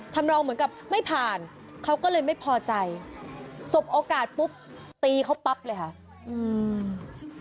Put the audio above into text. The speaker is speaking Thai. ทำนองเหมือนกับไม่ผ่านเขาก็เลยไม่พอใจสบโอกาสปุ๊บตีเขาปั๊บเลยค่ะอืม